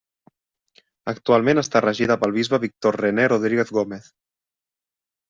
Actualment està regida pel bisbe Víctor René Rodríguez Gómez.